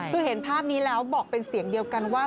คือเห็นภาพนี้แล้วบอกเป็นเสียงเดียวกันว่า